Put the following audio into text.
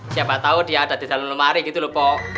siapa tau dia ada di dalam lemari gitu lho pok